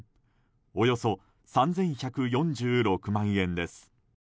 およそ３１４６万円です。